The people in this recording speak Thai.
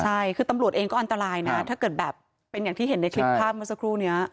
ใช่คือตำรวจเองก็อันตรายนะถ้าเกิดแบบเป็นอย่างที่เห็นในคลิปภาพเมื่อสักครู่นี้